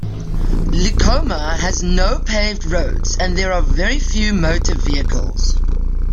Likoma has no paved roads, and there are very few motor vehicles.